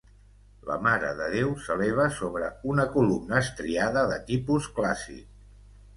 La Mare de Déu s'eleva sobre una columna estriada de tipus clàssic.